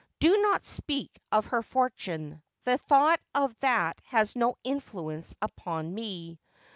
Do not speak of her fortune. The thought of that lias no influence upon me.